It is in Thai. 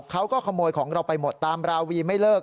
เขาก็ขโมยของเราไปหมดตามราวีไม่เลิก